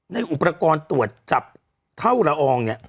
ในอุปกรณ์ตรวจจับเท่าละอองเนี่ย